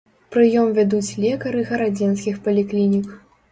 Прыём вядуць лекары гарадзенскіх паліклінік.